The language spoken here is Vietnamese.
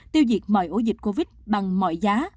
tiêu diệt mọi ổ dịch covid bằng mọi giá